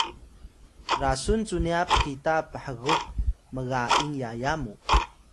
Sayun: rasun cu nya pkita pkhgup mga’ing yaya mu